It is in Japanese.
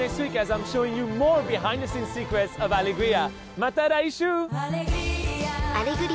また来週！